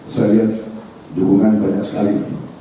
saya lihat dukungan banyak sekali